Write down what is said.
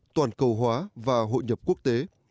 toàn cầu hóa và hội nhập quốc tế